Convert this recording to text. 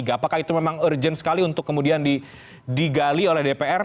apakah itu memang urgent sekali untuk kemudian digali oleh dpr